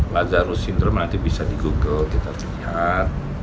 lazarus syndrome nanti bisa di google kita lihat